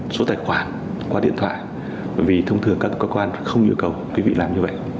số tài khoản qua điện thoại vì thông thường các cơ quan không nhu cầu quý vị làm như vậy